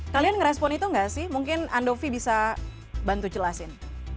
kalian ngerespon itu nggak sih mungkin andovi bisa bantu jelasin